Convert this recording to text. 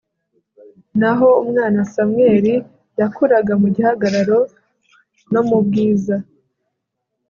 naho umwana samweli yakuraga mu gihagararo no mu bwiza